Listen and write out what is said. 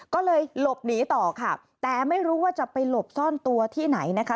ก็เลยหลบหนีต่อค่ะแต่ไม่รู้ว่าจะไปหลบซ่อนตัวที่ไหนนะคะ